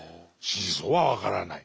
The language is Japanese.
真相は分からない。